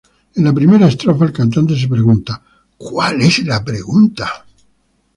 En la primera estrofa el cantante se pregunta "cuál es la pregunta".